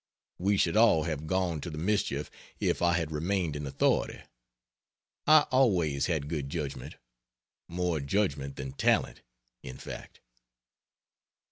We should all have gone to the mischief if I had remained in authority. I always had good judgement, more judgement than talent, in fact.